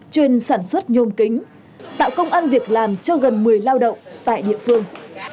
chuyên sản xuất nhôm kính tạo công an việc làm cho gần một mươi lao động tại địa phương